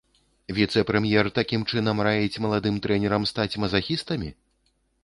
Віцэ-прэм'ер такім чынам раіць маладым трэнерам стаць мазахістамі?